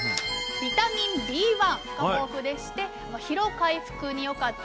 ビタミンＢが豊富でして疲労回復に良かったりですね